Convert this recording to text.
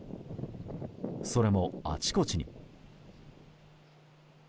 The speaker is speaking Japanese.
それもあちこちに。